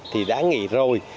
thì đã nghỉ rồi